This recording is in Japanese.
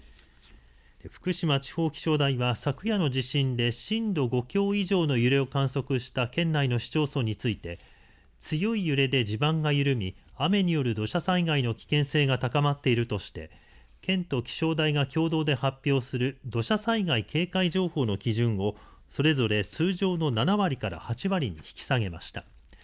福島地方気象台は昨夜の地震で震度５強以上の揺れを観測した県内の市町村について強い揺れで地盤が緩み雨による土砂災害の危険性が高まっているとして県と気象台が共同で発表する土砂災害警戒情報の基準をそれぞれ通常の７割から８割に引き下げました。